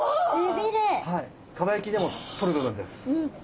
蒲焼きでも取る部分です。